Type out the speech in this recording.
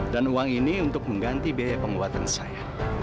dan uang ini untuk mengganti biaya penguatan saya